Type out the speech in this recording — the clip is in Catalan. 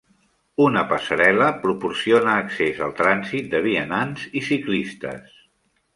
Una passarel·la proporciona accés al trànsit de vianants i ciclistes.